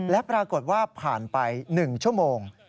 และปรากฏว่าผ่านไป๑ชั่วโมง